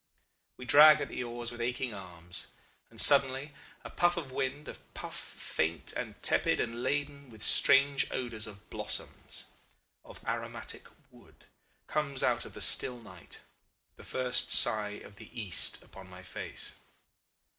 We drag at the oars with aching arms, and suddenly a puff of wind, a puff faint and tepid and laden with strange odors of blossoms, of aromatic wood, comes out of the still night the first sigh of the East on my face.